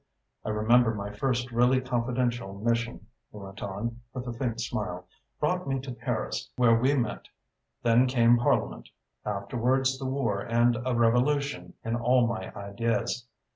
I remember my first really confidential mission," he went on, with a faint smile, "brought me to Paris, where we met. Then came Parliament afterwards the war and a revolution in all my ideas.